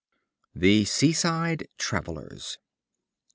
The Seaside Travelers.